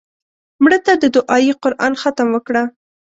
مړه ته د دعایي قرآن ختم وکړه